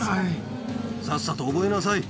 さっさと覚えなさい。